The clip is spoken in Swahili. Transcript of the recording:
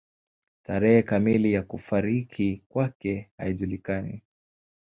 Tarehe kamili ya kufariki kwake haijulikani.